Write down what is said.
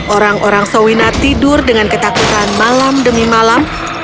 orang orang soina tidur dengan ketakutan malam demi malam